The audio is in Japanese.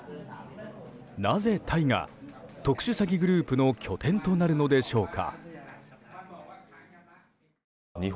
なぜ、タイが特殊詐欺グループの拠点となるのでしょうか。